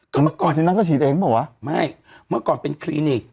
ก็เมื่อก่อนที่นั้นก็ฉีดเองเปล่าวะไม่เมื่อก่อนเป็นคลินิก